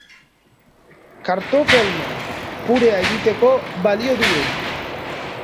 Kartoffeln purea egiteko balio digu!